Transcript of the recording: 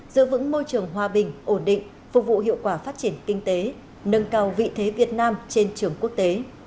giữ vững môi trường hòa bình ổn định phục vụ hiệu quả phát triển kinh tế nâng cao vị thế việt nam trên trường quốc tế